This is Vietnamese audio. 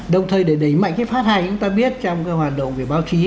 đồng thời để đẩy mạnh cái phát hành chúng ta biết trong cái hoạt động về báo chí